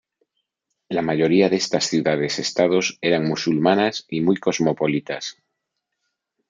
La mayoría de estas ciudades estados eran musulmanas y muy cosmopolitas.